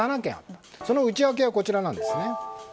その内訳はこちらなんですね。